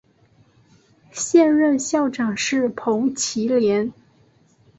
现任校长是彭绮莲。